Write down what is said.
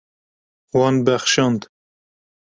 Wan bexşand.